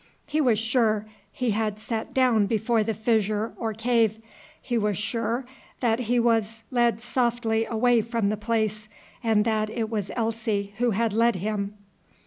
He was sure he had sat down before the fissure or cave. He was sure that he was led softly away from the place, and that it was Elsie who had led him.